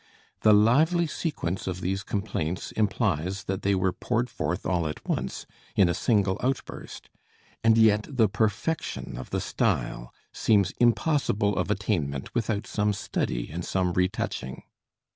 The lively sequence of these complaints implies that they were poured forth all at once, in a single outburst; and yet the perfection of the style seems impossible of attainment without some study and some retouching.